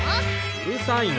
うるさいな。